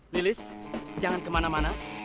lilis jangan kemana mana